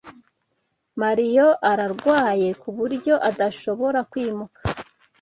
Mario ararwaye kuburyo adashobora kwimuka.